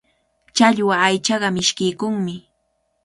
Challwa aychaqa mishkiykunmi.